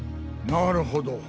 なるほど。